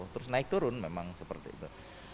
terus naik turun memang seperti itu